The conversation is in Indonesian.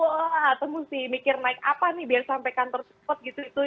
atau mesti mikir naik apa nih biar sampai kantor support gitu